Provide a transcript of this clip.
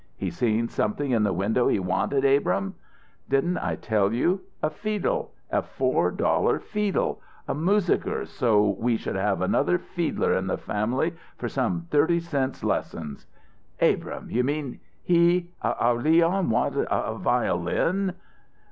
"He seen something in the window he wanted, Abrahm?" "Didn't I tell you? A feedle! A four dollar feedle! A moosiker, so we should have another feedler in the family for some thirty cents lessons." "Abrahm you mean he our Leon wanted a violin?"